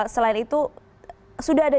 selain itu sudah ada